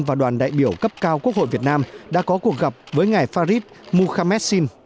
và đoàn đại biểu cấp cao quốc hội việt nam đã có cuộc gặp với ngài farid mohamed sin